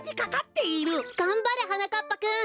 がんばれはなかっぱくん！